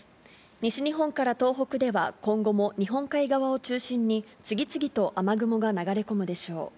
西日本から東北では、今後も日本海側を中心に次々と雨雲が流れ込むでしょう。